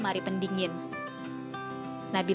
nah ini memang sangat menarik